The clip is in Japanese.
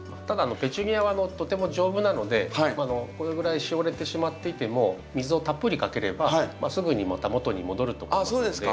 ただペチュニアはとても丈夫なのでこのぐらいしおれてしまっていても水をたっぷりかければすぐにまた元に戻ると思いますので。